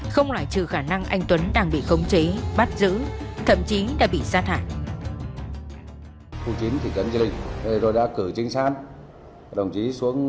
không loại trừ khả năng anh tuấn đang bị khống chế bắt giữ thậm chí đã bị xa thải